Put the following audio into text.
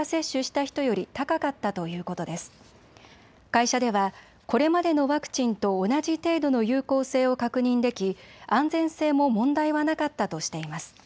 会社ではこれまでのワクチンと同じ程度の有効性を確認でき安全性も問題はなかったとしています。